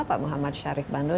pak muhammad sharif bandul